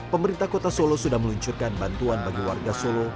pemerintah kota solo sudah meluncurkan bantuan bagi warga solo